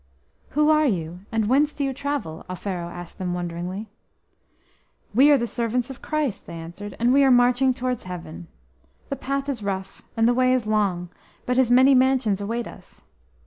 "Who are you, and whence do you travel?" Offero asked them wonderingly. "We are the servants of Christ," they answered, "and we are marching towards Heaven. The path is rough, and the way is long, but His many mansions await us."